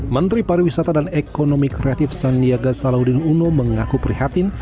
menteri pariwisata dan ekonomi kreatif sandiaga salahuddin uno mengaku prihatin